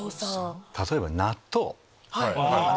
例えば納豆。